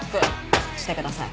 してください。